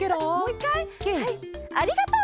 はい「ありがとう！」。